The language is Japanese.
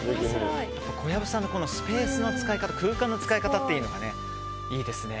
小籔さんのスペースの使い方空間の使い方がいいですね。